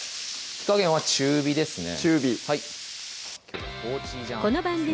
火加減は中火ですね